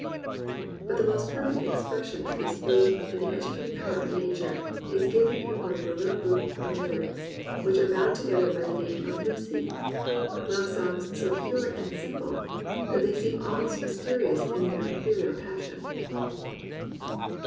But the most perfect expression of his faith in the educating power of Nature is given in one of the little group of lyrics which are bound together by the name of Lucy, — love songs so pure and simple that they seem almost mysterious in their ethereal passion.